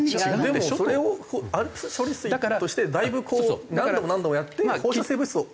でもそれをＡＬＰＳ処理水としてだいぶこう何度も何度もやって放射性物質を抑えて。